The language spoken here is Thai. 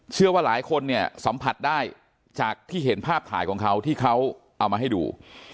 เชื่อว่าหลายคนเนี่ยสัมผัสได้จากที่เห็นภาพถ่ายของเขาที่เขาเอามาให้ดู